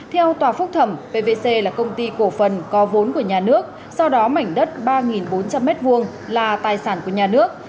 theo tòa phúc thẩm pvc là công ty cổ phần có vốn của nhà nước sau đó mảnh đất ba bốn trăm linh m hai là tài sản của nhà nước